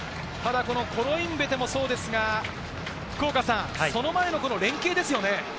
コロインベテもそうですが、その前の連携ですよね。